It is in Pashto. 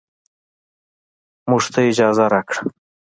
موږ ته يې اجازه راکړه.